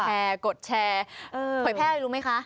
กดแชร์กดแชร์เผยแพร่อะไรรู้มั้ยคะ